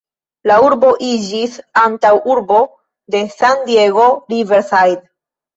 La urbo iĝis antaŭurbo de San-Diego, Riverside.